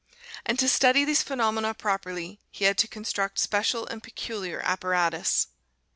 And to study these phenomena properly, he had to construct special and peculiar apparatus.